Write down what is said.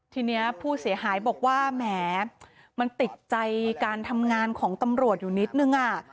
ทีนี้ผู้เสียหายบอกว่าแหมมันติดใจการทำงานของตำรวจอยู่นิดนึง